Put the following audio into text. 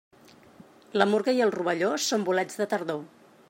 La murga i el rovelló són bolets de tardor.